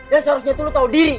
dan seharusnya itu lo tau diri